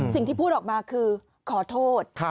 สิ่งที่พูดออกมาคือขอโทษ